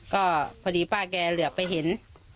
ก็พอดีป้าแกเหลือไปเห็น